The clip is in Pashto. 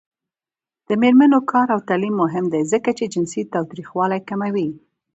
د میرمنو کار او تعلیم مهم دی ځکه چې جنسي تاوتریخوالی کموي.